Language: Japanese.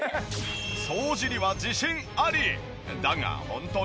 掃除には自信あり！